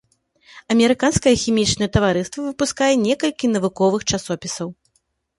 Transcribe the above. Амерыканскае хімічнае таварыства выпускае некалькі навуковых часопісаў.